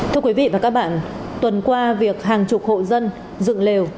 thưa quý vị và các bạn tuần qua việc hàng chục hộ dân dựng lều